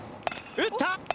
打った！